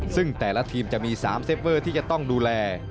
ซึ่งแต่ละทีมจะมี๓เซฟเวอร์ที่จะต้องดูแล